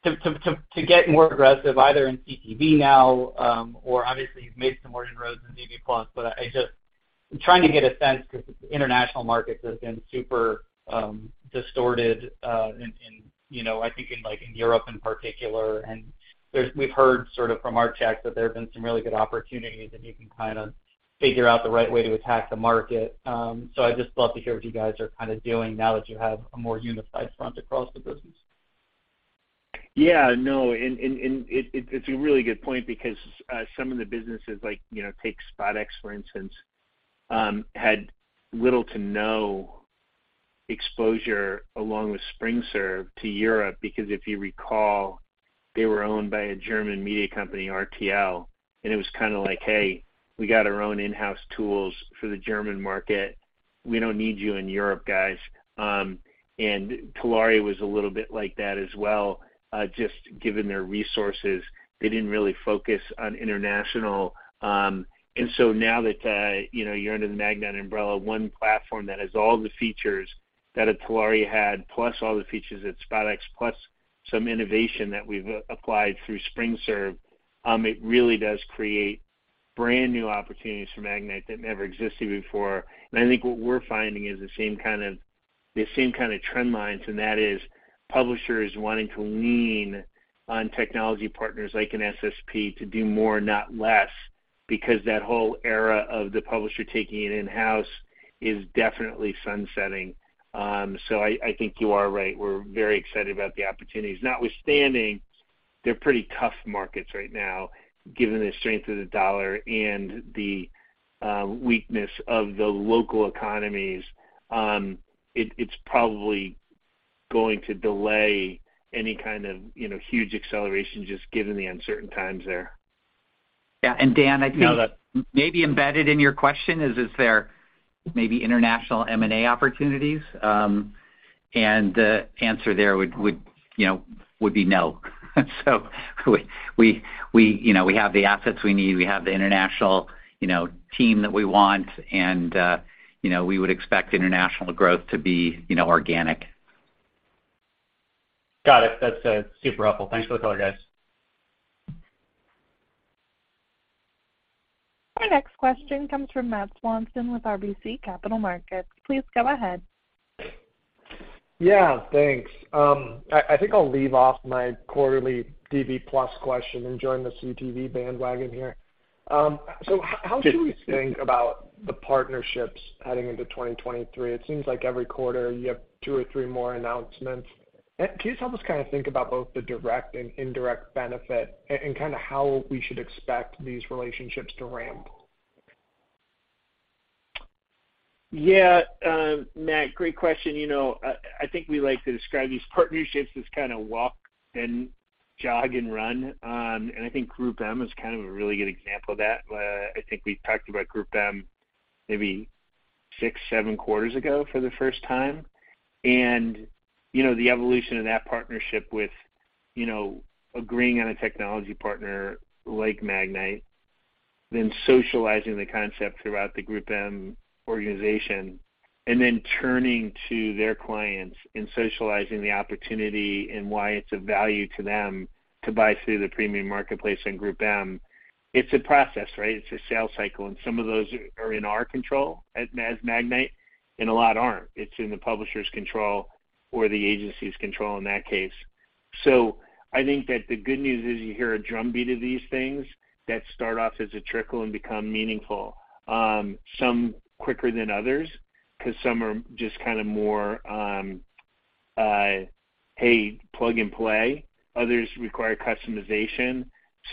to get more aggressive either in CTV now, or obviously you've made some more inroads in DV+. I'm trying to get a sense 'cause the international markets have been super distorted in Europe in particular. We've heard sort of from our checks that there have been some really good opportunities, and you can kind of figure out the right way to attack the market. I'd just love to hear what you guys are kind of doing now that you have a more unified front across the business. Yeah. No. It's a really good point because some of the businesses like, you know, take SpotX, for instance, had little to no exposure along with SpringServe to Europe because if you recall, they were owned by a German media company, RTL, and it was kind of like, "Hey, we got our own in-house tools for the German market. We don't need you in Europe, guys." Telaria was a little bit like that as well, just given their resources. They didn't really focus on international. Now that, you know, you're under the Magnite umbrella, one platform that has all the features that Telaria had, plus all the features that SpotX, plus some innovation that we've applied through SpringServe, it really does create brand new opportunities for Magnite that never existed before. I think what we're finding is the same kind of, the same kind of trend lines, and that is publishers wanting to lean on technology partners like an SSP to do more, not less, because that whole era of the publisher taking it in-house is definitely sunsetting. I think you are right. We're very excited about the opportunities. Notwithstanding, they're pretty tough markets right now, given the strength of the dollar and the weakness of the local economies. It, it's probably going to delay any kind of, you know, huge acceleration just given the uncertain times there. Yeah. Dan, I think- No. -maybe embedded in your question is there maybe international M&A opportunities? The answer there would, you know, would be no. We, you know, we have the assets we need. We have the international, you know, team that we want, and, you know, we would expect international growth to be, you know, organic. Got it. That's super helpful. Thanks for the color, guys. Our next question comes from Matthew Swanson with RBC Capital Markets. Please go ahead. Yeah, thanks. I think I'll leave off my quarterly DV+ question and join the CTV bandwagon here. How should we think about the partnerships heading into 2023? It seems like every quarter you have two or three more announcements. Can you just help us kind of think about both the direct and indirect benefit and kind of how we should expect these relationships to ramp? Yeah, Matt, great question. You know, I think we like to describe these partnerships as kind of walk and jog and run. I think GroupM is kind of a really good example of that. I think we talked about GroupM maybe six, seven quarters ago for the first time. You know, the evolution of that partnership with, you know, agreeing on a technology partner like Magnite, then socializing the concept throughout the GroupM organization and then turning to their clients and socializing the opportunity and why it's of value to them to buy through the premium marketplace on GroupM, it's a process, right? It's a sales cycle, and some of those are in our control at Magnite, and a lot aren't. It's in the publisher's control or the agency's control in that case. I think that the good news is you hear a drumbeat of these things that start off as a trickle and become meaningful, some quicker than others because some are just kind of more, hey, plug and play, others require customization.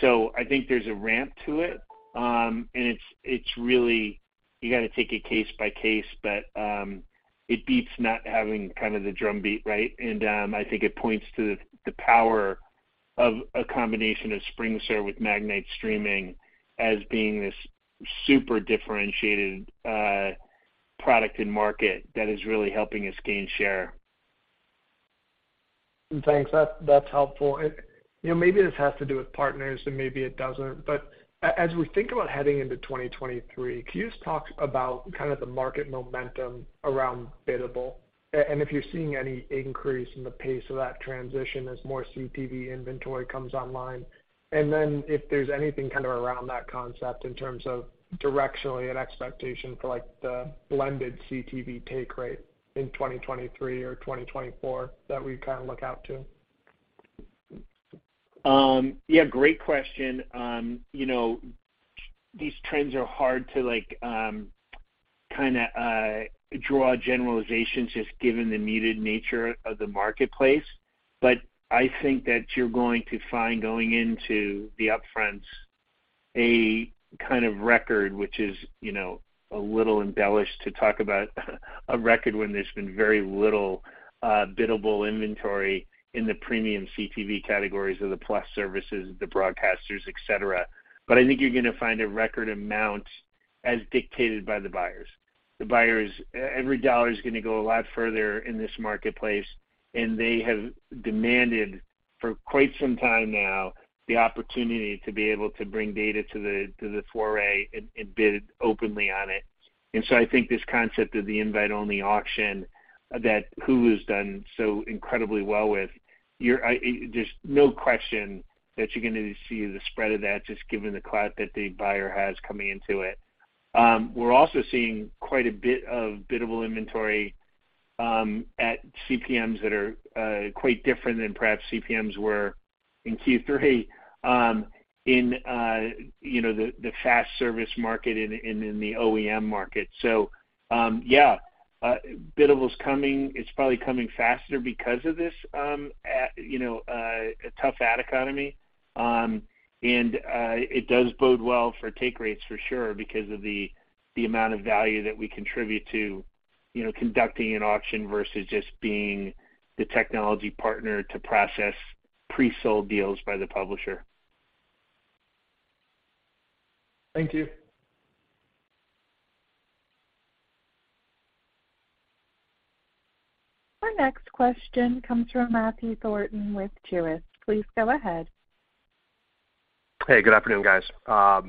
I think there's a ramp to it. It's, it's really you got to take it case by case, but it beats not having kind of the drum beat, right? I think it points to the power of a combination of SpringServe with Magnite Streaming as being this super differentiated, product and market that is really helping us gain share. Thanks. That's helpful. You know, maybe this has to do with partners and maybe it doesn't. As we think about heading into 2023, can you just talk about kind of the market momentum around biddable, and if you're seeing any increase in the pace of that transition as more CTV inventory comes online? If there's anything kind of around that concept in terms of directionally an expectation for like the blended CTV take rate in 2023 or 2024 that we kind of look out to. Yeah, great question. You know, these trends are hard to kinda draw generalizations just given the needed nature of the marketplace. I think that you're going to find going into the upfront a kind of record, which is, you know, a little embellished to talk about a record when there's been very little biddable inventory in the premium CTV categories of the plus services, the broadcasters, et cetera. I think you're gonna find a record amount as dictated by the buyers. Every dollar is gonna go a lot further in this marketplace, and they have demanded for quite some time now the opportunity to be able to bring data to the foray and bid openly on it. I think this concept of the invite-only auction that Hulu's done so incredibly well with, there's no question that you're gonna see the spread of that just given the clout that the buyer has coming into it. We're also seeing quite a bit of biddable inventory, at CPMs that are quite different than perhaps CPMs were in Q3, in, you know, the FAST service market and in the OEM market. So, yeah, biddable is coming. It's probably coming faster because of this, you know, a tough ad economy. And it does bode well for take rates for sure because of the amount of value that we contribute to, you know, conducting an auction versus just being the technology partner to process pre-sold deals by the publisher. Thank you. Our next question comes from Matthew Thornton with Truist. Please go ahead. Hey, good afternoon, guys.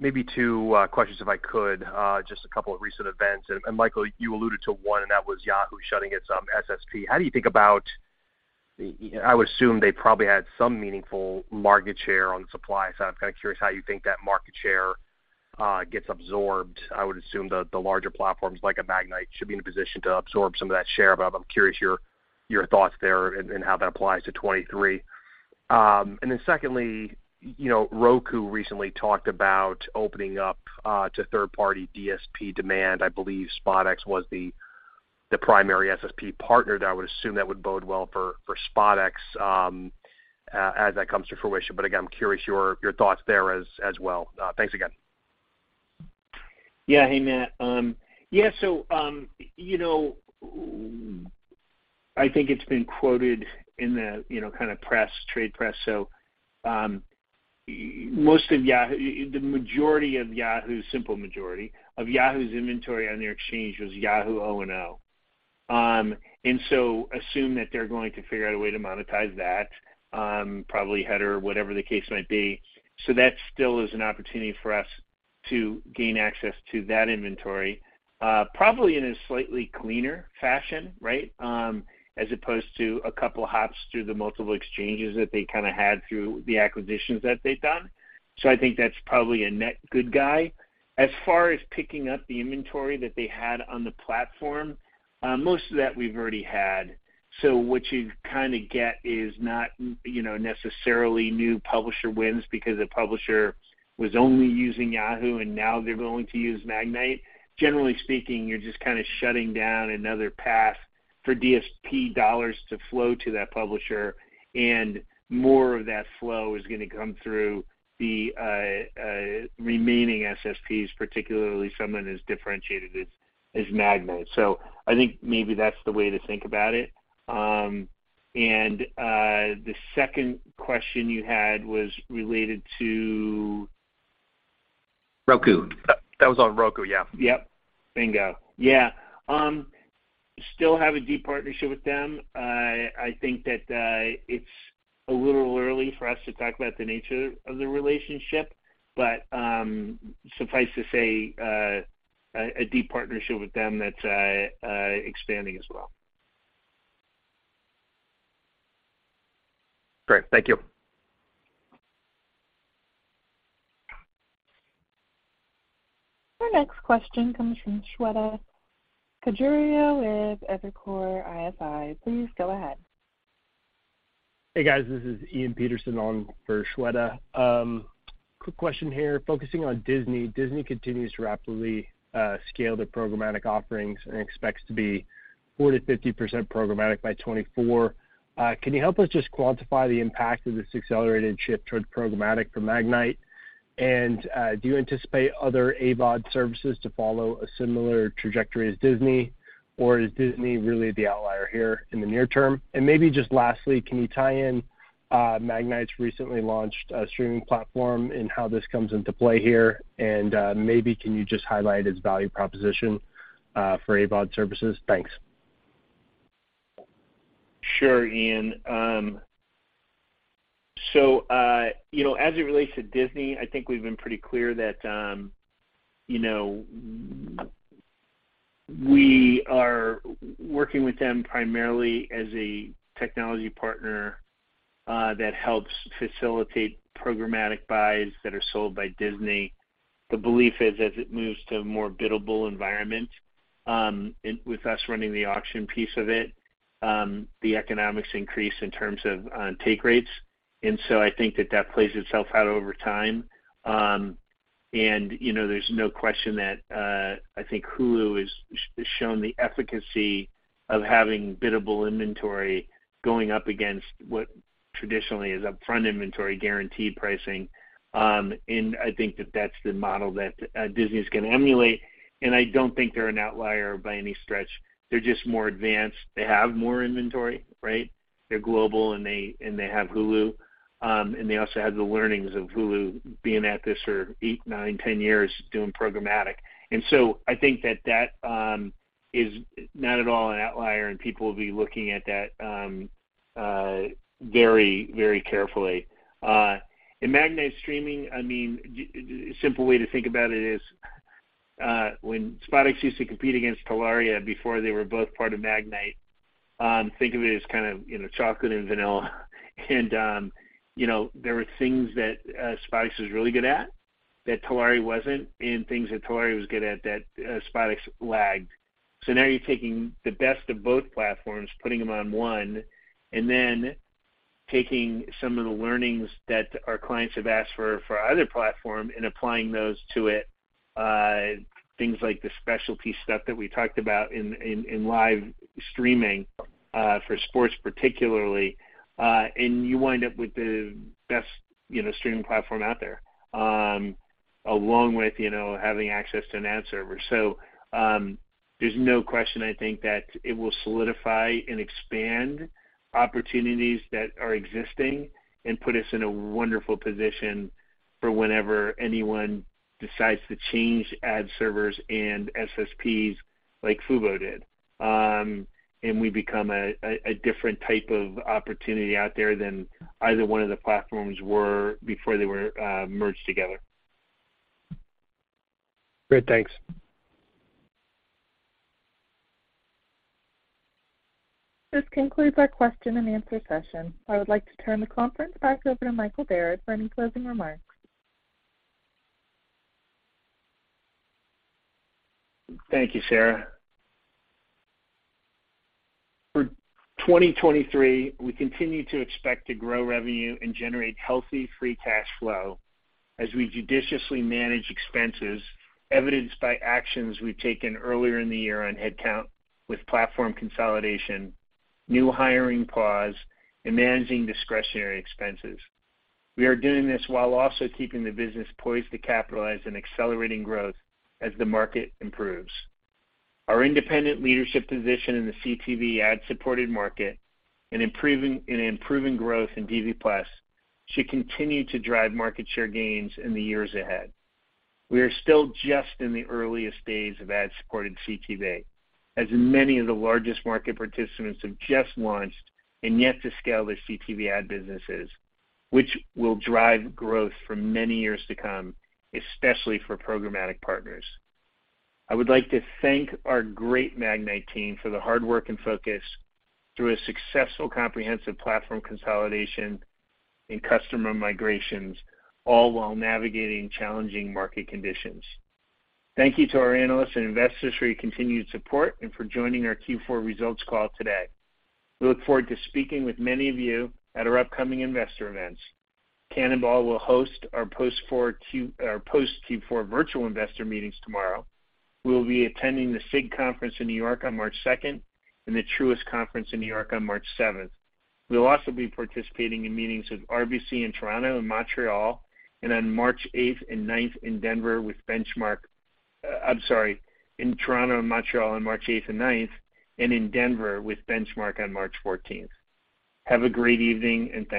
Maybe two questions, if I could. Just a couple of recent events. Michael, you alluded to one, and that was Yahoo shutting its SSP. How do you think about... I would assume they probably had some meaningful market share on the supply side. I'm kind of curious how you think that market share gets absorbed. I would assume the larger platforms like a Magnite should be in a position to absorb some of that share, but I'm curious your thoughts there and how that applies to 2023. Secondly, you know, Roku recently talked about opening up to third-party DSP demand. I believe SpotX was the primary SSP partner that I would assume that would bode well for SpotX as that comes to fruition. Again, I'm curious your thoughts there as well. Thanks again. Hey, Matt. I think it's been quoted in the, you know, kind of press, trade press. Simple majority of Yahoo's inventory on their exchange was Yahoo O&O. Assume that they're going to figure out a way to monetize that, probably header, whatever the case might be. That still is an opportunity for us to gain access to that inventory, probably in a slightly cleaner fashion, right? As opposed to a couple hops through the multiple exchanges that they kind of had through the acquisitions that they've done. I think that's probably a net good guy. As far as picking up the inventory that they had on the platform, most of that we've already had. What you kind of get is not, you know, necessarily new publisher wins because a publisher was only using Yahoo and now they're going to use Magnite. Generally speaking, you're just kind of shutting down another path for DSP dollars to flow to that publisher, and more of that flow is gonna come through the remaining SSPs, particularly someone as differentiated as Magnite. I think maybe that's the way to think about it. The second question you had was related to... Roku. That was on Roku, yeah. Yep. Bingo. Yeah. Still have a deep partnership with them. I think that, it's a little early for us to talk about the nature of the relationship, but, suffice to say, a deep partnership with them that's expanding as well. Great. Thank you. Our next question comes from Shweta Khajuria with Evercore ISI. Please go ahead. Hey, guys. This is Ian Peterson on for Shweta. Quick question here. Focusing on Disney continues to rapidly scale their programmatic offerings and expects to be 40%-50% programmatic by 2024. Can you help us just quantify the impact of this accelerated shift towards programmatic for Magnite? Do you anticipate other AVOD services to follow a similar trajectory as Disney, or is Disney really the outlier here in the near term? Maybe just lastly, can you tie in Magnite's recently launched streaming platform and how this comes into play here? Maybe can you just highlight its value proposition for AVOD services? Thanks. Sure, Ian. You know, as it relates to Disney, I think we've been pretty clear that, you know, we are working with them primarily as a technology partner that helps facilitate programmatic buys that are sold by Disney. The belief is as it moves to a more biddable environment, and with us running the auction piece of it, the economics increase in terms of take rates. I think that that plays itself out over time. And, you know, there's no question that I think Hulu has shown the efficacy of having biddable inventory going up against what traditionally is upfront inventory guaranteed pricing. And I think that that's the model that Disney is gonna emulate, and I don't think they're an outlier by any stretch. They're just more advanced. They have more inventory, right? They're global, and they have Hulu. They also have the learnings of Hulu being at this for eight, nine, 10 years doing programmatic. So I think that that is not at all an outlier, and people will be looking at that very, very carefully. In Magnite Streaming, I mean, the simple way to think about it is when SpotX used to compete against Telaria before they were both part of Magnite, think of it as kind of, you know, chocolate and vanilla. You know, there were things that SpotX was really good at, that Telaria wasn't, and things that Telaria was good at that SpotX lagged. Now you're taking the best of both platforms, putting them on one, then taking some of the learnings that our clients have asked for our other platform and applying those to it, things like the specialty stuff that we talked about in live streaming, for sports particularly, and you wind up with the best, you know, streaming platform out there, along with, you know, having access to an ad server. There's no question, I think, that it will solidify and expand opportunities that are existing and put us in a wonderful position for whenever anyone decides to change ad servers and SSPs like Fubo did. We become a different type of opportunity out there than either one of the platforms were before they were merged together. Great. Thanks. This concludes our question and answer session. I would like to turn the conference back over to Michael Barrett for any closing remarks. Thank you, Sarah. For 2023, we continue to expect to grow revenue and generate healthy free cash flow as we judiciously manage expenses evidenced by actions we've taken earlier in the year on headcount with platform consolidation, new hiring pause, and managing discretionary expenses. We are doing this while also keeping the business poised to capitalize on accelerating growth as the market improves. Our independent leadership position in the CTV ad-supported market and improving growth in DV+ should continue to drive market share gains in the years ahead. We are still just in the earliest days of ad-supported CTV, as many of the largest market participants have just launched and yet to scale their CTV ad businesses, which will drive growth for many years to come, especially for programmatic partners. I would like to thank our great Magnite team for the hard work and focus through a successful comprehensive platform consolidation and customer migrations, all while navigating challenging market conditions. Thank you to our analysts and investors for your continued support and for joining our Q4 results call today. We look forward to speaking with many of you at our upcoming investor events. Cannonball will host our post Q4 virtual investor meetings tomorrow. We will be attending the SIG Conference in New York on March 2nd and the Truist Conference in New York on March 7th. We'll also be participating in meetings with RBC in Toronto and Montreal on March 8th and 9th, and in Denver with Benchmark on March 14th. Have a great evening, and thank you.